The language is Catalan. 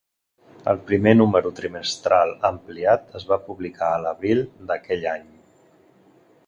El primer número trimestral ampliat es va publicar a l'abril d'aquell any.